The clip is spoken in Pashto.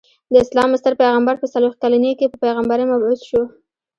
د اسلام ستر پيغمبر په څلويښت کلني کي په پيغمبری مبعوث سو.